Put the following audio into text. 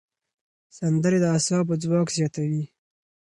سندرې د اعصابو ځواک زیاتوي.